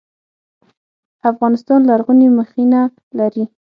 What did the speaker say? افغانستان لرغوني مخینه لري